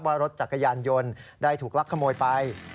ว่ารถจักรยานยนต์ได้ถูกลักขโมยไป